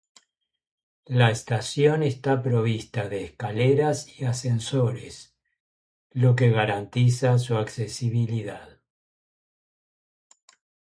La estación está provista de escaleras y ascensores, lo que garantiza su accesibilidad.